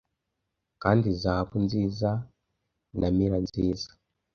kandi zahabu nziza na mira nziza